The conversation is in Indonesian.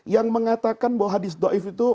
yang mengatakan bahwa hadis do'if itu